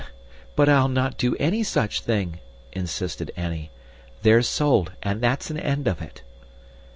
"But I'll not do any such thing," insisted Annie. "They're sold, and that's an end of it."